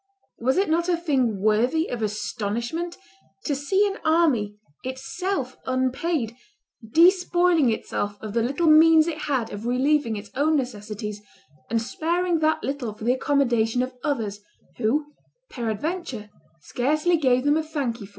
... Was it not a thing worthy of astonishment to see an army, itself unpaid, despoiling itself of the little means it had of relieving its own necessities and sparing that little for the accommodation of others, who, peradventure, scarcely gave them a thankee for it?"